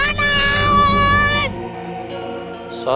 ayo jangan jalan